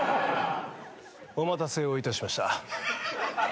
お待たせをいたしました。